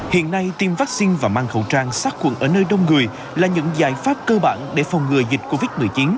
hiện nay tiêm vaccine và mang khẩu trang sát khuẩn ở nơi đông người là những giải pháp cơ bản để phòng ngừa dịch covid một mươi chín